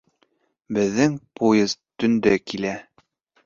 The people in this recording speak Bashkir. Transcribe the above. Беҙҙең поезд төндә килә.